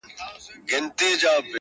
o د ورځي سور وي رسوایي وي پکښې,